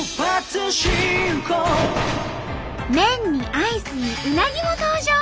麺にアイスにうなぎも登場！